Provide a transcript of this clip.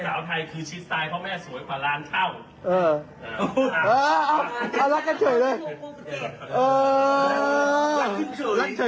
ใครสวยนางสาวไทยคือชิ้นสายเพราะแม่สวยกว่าล้านเท่า